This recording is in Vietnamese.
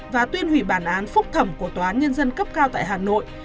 và tuyên hủy bản án phúc thẩm của tòa án nhân dân cấp cao tại hà nội